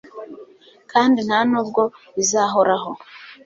kandi nta n'ubwo bizahoraho